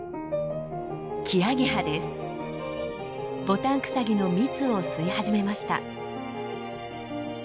ボタンクサギの蜜を吸い始めました。